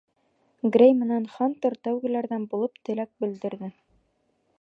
Грей менән Хантер тәүгеләрҙән булып теләк белдерҙе.